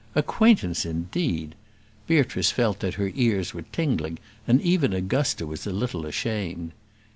Acquaintance indeed! Beatrice felt that her ears were tingling, and even Augusta was a little ashamed.